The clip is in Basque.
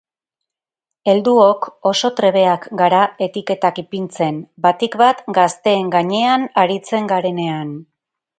Helduok oso trebeak gara etiketak ipintzen, batik bat gazteen gainean aritzen garenean.